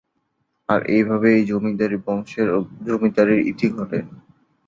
আর এইভাবেই এই জমিদার বংশের জমিদারীর ইতি ঘটে।